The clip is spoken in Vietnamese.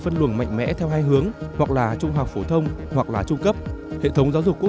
phân luồng mạnh mẽ theo hai hướng hoặc là trung học phổ thông hoặc là trung cấp hệ thống giáo dục quốc